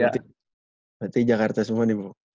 berarti jakarta semua nih bu